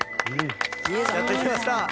やって来ました！